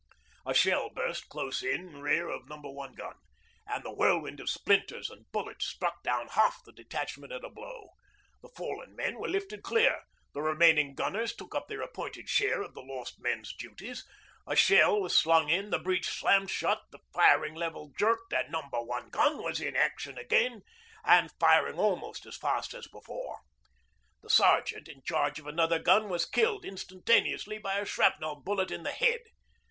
A shell burst close in rear of Number One gun, and the whirlwind of splinters and bullets struck down half the detachment at a blow. The fallen men were lifted clear, the remaining gunners took up their appointed share of the lost men's duties, a shell was slung in, the breech slammed shut, the firing lever jerked and Number One gun was in action again and firing almost as fast as before. The sergeant in charge of another gun was killed instantaneously by a shrapnel bullet in the head.